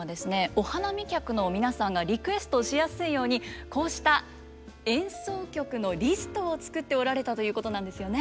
お花見客の皆さんがリクエストしやすいようにこうした演奏曲のリストを作っておられたということなんですよね。